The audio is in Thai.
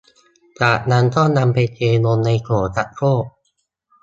จากนั้นก็นำไปเทลงในโถชักโครก